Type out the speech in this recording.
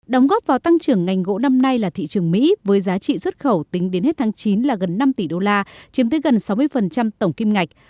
đóng góp vào tăng trưởng ngành gỗ năm nay là thị trường mỹ với giá trị xuất khẩu tính đến hết tháng chín là gần năm tỷ đô la chiếm tới gần sáu mươi tổng kim ngạch